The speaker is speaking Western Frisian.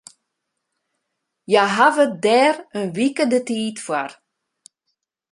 Hja hawwe dêr in wike de tiid foar.